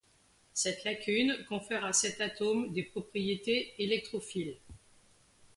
Cette lacune confère à cet atome des propriétés électrophiles.